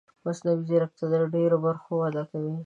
مصنوعي ځیرکتیا د ډېرو برخو وده کوي.